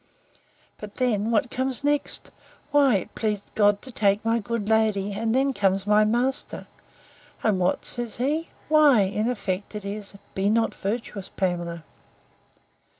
But, then, what comes next?—Why, it pleased God to take my good lady: and then comes my master: And what says he?—Why, in effect, it is, Be not virtuous, Pamela.